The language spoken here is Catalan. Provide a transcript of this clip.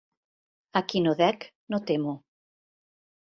A qui no dec no temo.